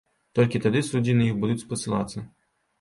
Толькі тады суддзі на іх будуць спасылацца.